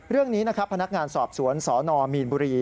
เรื่องนี้นะครับพนักงานสอบสวนสนมีนบุรี